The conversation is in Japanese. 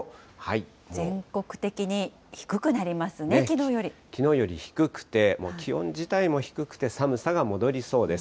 全国的に低くなりますね、ききのうより低くて、もう気温自体も低くて寒さが戻りそうです。